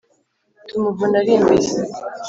tumuvuna ari imbere